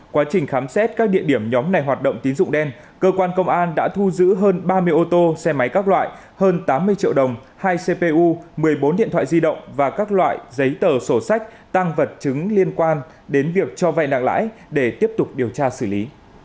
quá trình khám xét các địa điểm nhóm này hoạt động tín dụng đen cơ quan công an đã thu giữ hơn ba mươi ô tô xe máy các loại hơn tám mươi triệu đồng hai cpu một mươi bốn điện thoại di động và các loại giấy tờ sổ sách tăng vật chứng liên quan đến việc cho vay nặng lãi để tiếp tục điều tra xử lý